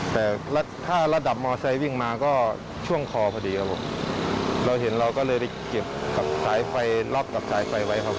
แต่ถ้าระดับมอไซค์วิ่งมาก็ช่วงคอพอดีครับผมเราเห็นเราก็เลยได้เก็บกับสายไฟล็อกกับสายไฟไว้ครับ